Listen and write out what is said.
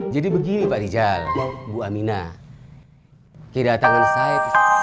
jadi begini pak dijal bu aminah kedatangan saya